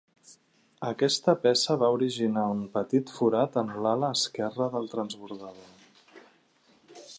Aquesta peça va originar un petit forat en l'ala esquerra del transbordador.